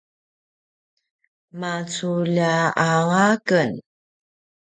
maculja anga ken